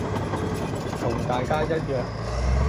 同大家一樣